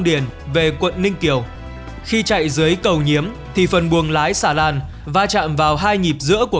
điền về quận ninh kiều khi chạy dưới cầu nhiếm thì phần buồng lái xà lan va chạm vào hai nhịp giữa của